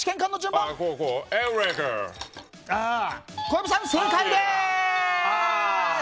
小籔さん、正解です！